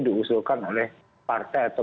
diusulkan oleh partai atau